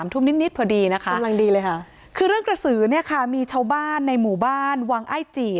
๓ทุ่มนิดพอดีนะคะคือเรื่องกระสือเนี่ยค่ะมีชาวบ้านในหมู่บ้านวังไอจี